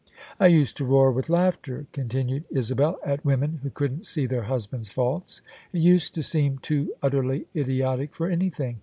"I used to roar with laughter," continued Isabel, "at women who couldn't see their husband's faults: it used to seem too utterly idiotic for anything.